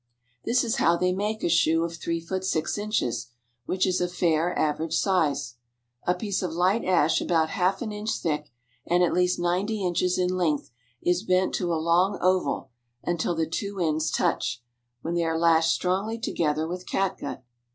This is how they make a shoe of three feet six inches, which is a fair average size:—A piece of light ash about half an inch thick, and at least ninety inches in length, is bent to a long oval until the two ends touch, when they are lashed strongly together with catgut.